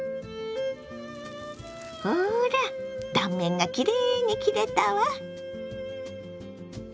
ほら断面がきれいに切れたわ！